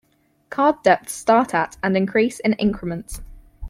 Card depths start at and increase in increments.